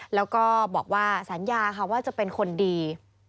แล้วก็บอกว่าสัญญาค่ะว่าจะเป็นคนดี